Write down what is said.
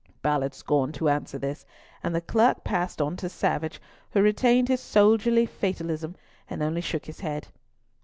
Ballard scorned to answer this, and the Clerk passed on to Savage, who retained his soldierly fatalism, and only shook his head.